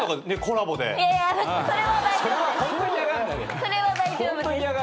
それは大丈夫です。